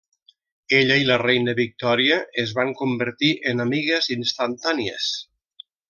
Ella i la reina Victòria es van convertir en amigues instantànies.